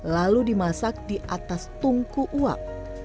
lalu dimasak di atas tungku uap